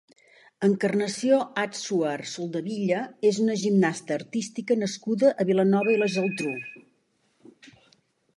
Encarnació Adsuar Soldevilla és una gimnasta artística nascuda a Vilanova i la Geltrú.